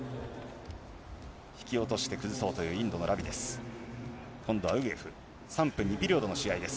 引き落として崩そうとしているインドのラビです。